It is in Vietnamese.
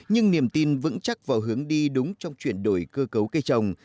nhưng niềm tin vững chắc vào hướng đi đúng trong chuyển đổi cơ cấu cây trồng